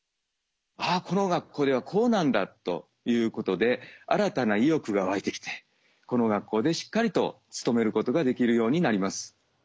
「ああこの学校ではこうなんだ」ということで新たな意欲が湧いてきてこの学校でしっかりと勤めることができるようになります。